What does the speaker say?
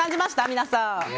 皆さん。